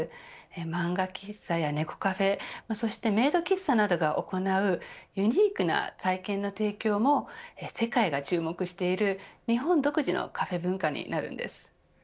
漫画喫茶や猫カフェそしてメイド喫茶などが行うユニークな体験の提供も世界が注目している日本独自のカフェ文化になるんです。